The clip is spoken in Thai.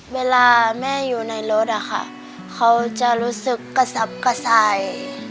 เวลาแม่อยู่ในรถอะค่ะเขาจะรู้สึกกระสับกระสาย